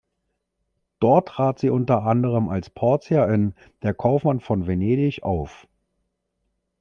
Dort trat sie unter anderem als Portia in "Der Kaufmann von Venedig" auf.